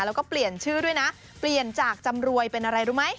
แล้วก็เปลี่ยนชื่อด้วยนะเปลี่ยนจากจำรวยเป็นอะไรรู้ไหม